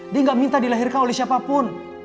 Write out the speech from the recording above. dia nggak minta dilahirkan oleh siapapun